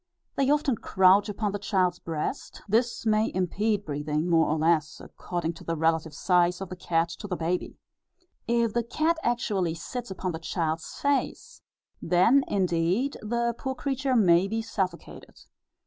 They often crouch upon the child's breast; this may impede breathing more or less, according to the relative size of the cat to the baby. If the cat actually sits upon the child's face, then indeed the poor creature may be suffocated.